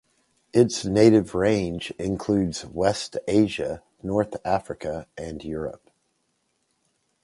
Its native range includes West Asia, North Africa and Europe.